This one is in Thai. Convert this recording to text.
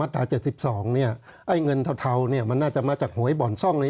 ตรา๗๒เงินเทามันน่าจะมาจากหวยบ่อนซ่องใน